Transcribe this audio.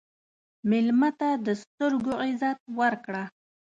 مېلمه ته د سترګو عزت ورکړه.